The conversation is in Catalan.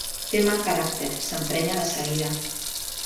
Té mal caràcter: s'emprenya de seguida.